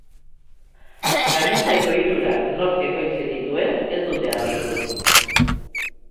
Gainontzeko hirurak nork ekoitzi dituen ez dute argitu.